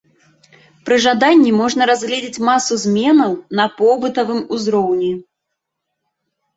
Пры жаданні можна разгледзець масу зменаў на побытавым узроўні.